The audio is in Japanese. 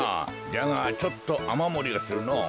じゃがちょっとあまもりがするのぉ。